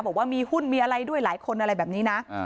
บอกว่ามีหุ้นมีอะไรด้วยหลายคนอะไรแบบนี้นะ